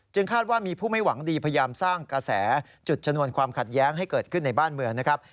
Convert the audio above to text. คาดว่ามีผู้ไม่หวังดีพยายามสร้างกระแสจุดชนวนความขัดแย้งให้เกิดขึ้นในบ้านเมืองนะครับ